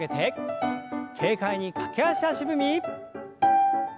軽快に駆け足足踏み。